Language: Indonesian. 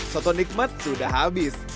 soto nikmat sudah habis